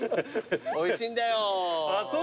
おいしいんだよー。